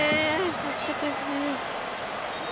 惜しかったですね。